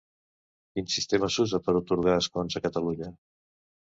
Quin sistema s'usa per atorgar escons a Catalunya?